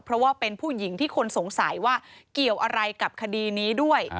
เพราะว่าเป็นผู้หญิงที่คนสงสัยว่าเกี่ยวอะไรกับคดีนี้ด้วย